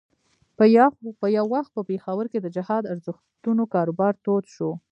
یو وخت په پېښور کې د جهاد ارزښتونو کاروبار تود شو.